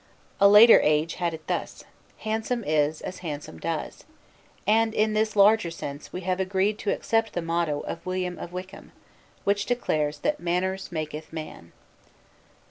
A later age had it thus: "Handsome is as handsome does," and in this larger sense we have agreed to accept the motto of William of Wykeham, which declares that "Manners maketh Man."